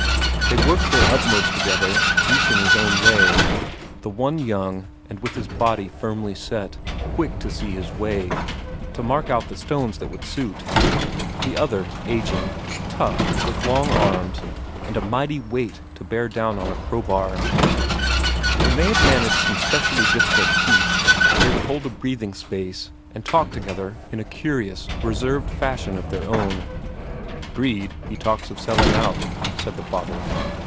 They worked their utmost together each in his own way: the one young, and with his young body firmly set, quick to see his way, to mark out the stones that would suit; the other ageing tough, with long arms, and a mighty weight to bear down on a crowbar. When they had managed some specially difficult feat, they would hold a breathing space, and talk together in a curious, reserved fashion of their own. "Brede, he talks of selling out," said the father.